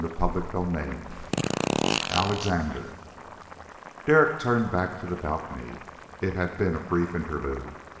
CHAPTER IX "Alexandre " Derek turned back to the balcony. It had been a brief interlude.